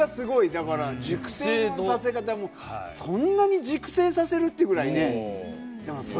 だから、熟成のさせ方も、そんなに熟成させる？っていうぐらいね。